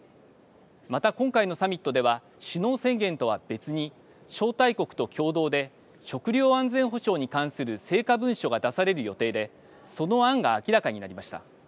また今回のサミットでは首脳宣言とは別に招待国と共同で食料安全保障に関する成果文書が出される予定でその案が明らかになりました。